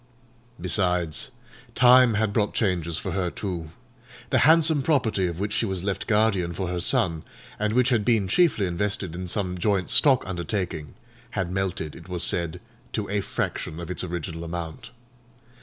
Besides, time had brought changes for her, too: the handsome property of which she was left guardian for her son, and which had been chiefly invested in some joint stock undertaking, had melted, it was said, to a fraction of its original amount.